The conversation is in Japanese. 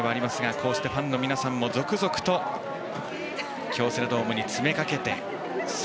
こうしてファンの皆さんも続々と京セラドームに詰め掛けて。